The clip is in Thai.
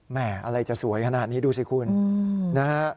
แหมอะไรจะสวยขนาดนี้ดูสิคุณ